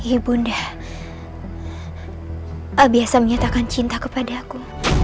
ibu nda hai abiasa menyatakan cinta kepada aku